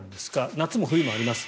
夏も冬もあります。